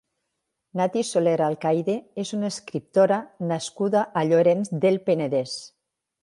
Nati Soler Alcaide és una escriptora nascuda a Llorenç del Penedès.